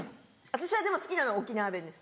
私は好きなのは沖縄弁です。